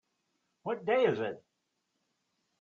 What day is it?